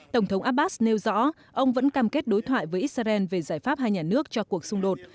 tổng thống abbas nêu rõ ông vẫn cam kết đối thoại với israel về giải pháp hai nhà nước cho cuộc xung đột